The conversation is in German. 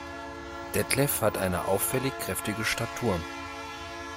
Detlef hat eine auffällig kräftige Statur.